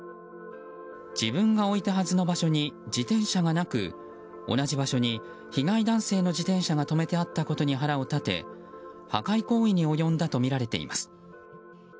自分が置いたはずの場所に自転車がなく同じ場所に、被害男性の自転車が止めてあったことに腹を立て破壊行為に及んだとみられています。